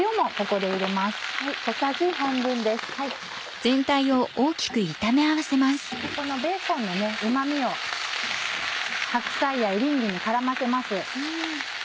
このベーコンのうま味を白菜やエリンギに絡ませます。